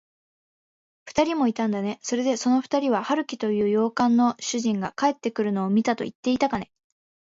ふたりもいたんだね。それで、そのふたりは、春木という洋館の主人が帰ってくるのを見たといっていたかね。